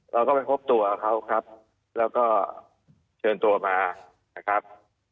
เราก็ไปพบตัวเขาครับแล้วก็เชิญตัวมานะครับ